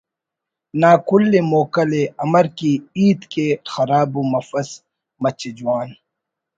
نا کل ءِ موکلءِ امر کہ ہیت کے خراب ءُ مفس مچے جوان